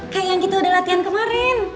kayak yang gitu udah latihan kemarin